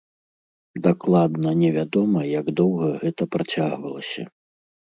Дакладна невядома, як доўга гэта працягвалася.